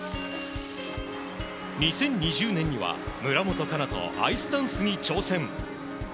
２０２０年には村元哉中とアイスダンスに挑戦。